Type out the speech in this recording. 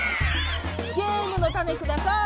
ゲームのタネください！